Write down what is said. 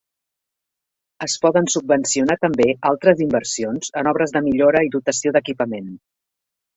Es poden subvencionar també altres inversions en obres de millora i dotació d'equipament.